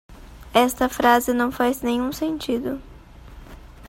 Esta frase não faz nenhum sentido.